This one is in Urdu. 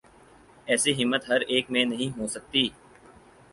ایسی ہمت ہر ایک میں نہیں ہو سکتی۔